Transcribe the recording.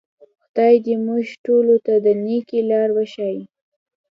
خدای دې موږ ټولو ته د نیکۍ لار وښیي.